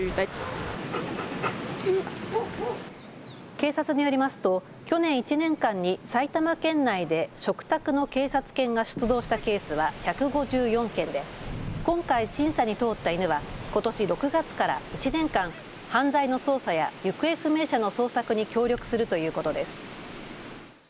警察によりますと去年１年間に埼玉県内で嘱託の警察犬が出動したケースは１５４件で今回審査に通った犬はことし６月から１年間犯罪の捜査や行方不明者の捜索に協力するということです。